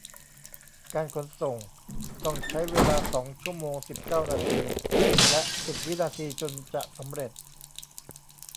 การขนส่งต้องใช้เวลาสองชั่วโมงสิบเก้านาทีและสิบวินาทีจนจะสำเร็จ